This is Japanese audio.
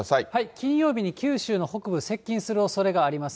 金曜日に九州の北部接近するおそれがあります。